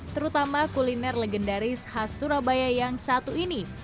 terutama kuliner legendaris khas surabaya yang satu ini